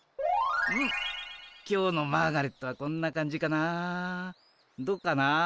うん今日のマーガレットはこんな感じかな？